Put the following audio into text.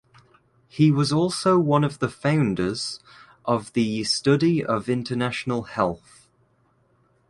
He was also one of the founders of the study of international health.